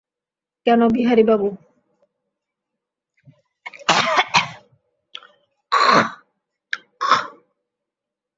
কেন, বিহারীবাবু।